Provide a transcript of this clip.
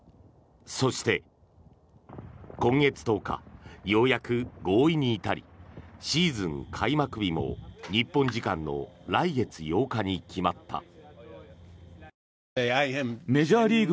そして今月１０日ようやく合意に至りシーズン開幕日も日本時間の来月８日に決まった。